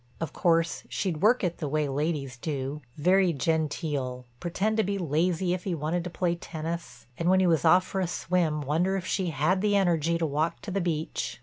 Of course she'd work it the way ladies do, very genteel, pretend to be lazy if he wanted to play tennis and when he was off for a swim wonder if she had the energy to walk to the beach.